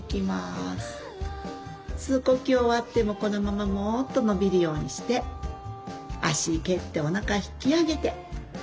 吸う呼吸終わってもこのままもっと伸びるようにして足蹴っておなか引き上げて。